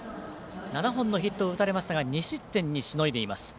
７本のヒットを打たれましたが２失点にしのいでいます。